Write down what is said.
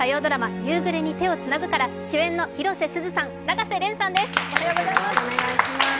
「夕暮れに、手をつなぐ」から主演の広瀬すずさん、永瀬廉さんです。